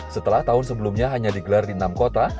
setelah tahun sebelumnya hanya digelar di enam kota